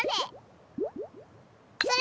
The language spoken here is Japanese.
それ。